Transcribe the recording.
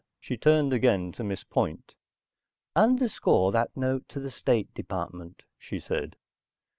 She turned again to Miss Point. "Underscore that note to the State Department," she said.